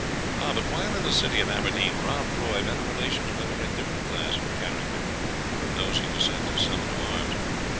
But while in the city of Aberdeen, Rob Roy met a relation of a very different class and character from those whom he was sent to summon to arms.